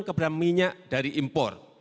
kepada minyak dari impor